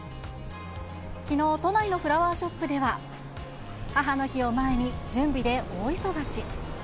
きのう、都内のフラワーショップでは、母の日を前に、準備で大忙し。